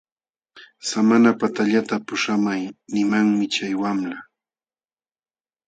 Samanapatallata puśhamay nimanmi chay wamla.